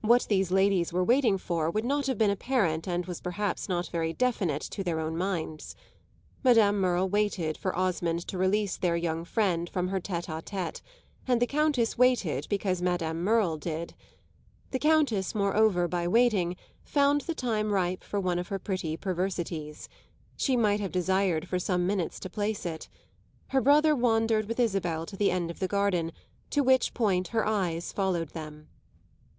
What these ladies were waiting for would not have been apparent and was perhaps not very definite to their own minds. Madame Merle waited for Osmond to release their young friend from her tête à tête, and the Countess waited because Madame Merle did. The Countess, moreover, by waiting, found the time ripe for one of her pretty perversities. She might have desired for some minutes to place it. Her brother wandered with Isabel to the end of the garden, to which point her eyes followed them.